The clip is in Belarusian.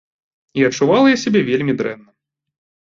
І адчувала я сябе вельмі дрэнна.